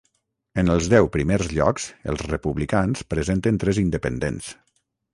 En els deu primers llocs els republicans presenten tres independents.